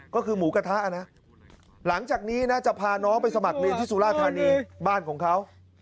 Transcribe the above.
ก็คือหมูกระทะนะหลังจากนี้นะจะพาน้องไปสมัครเรียนที่สุราธานีบ้านของเขา